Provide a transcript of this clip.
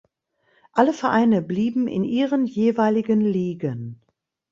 Alle Vereine blieben in ihren jeweiligen Ligen.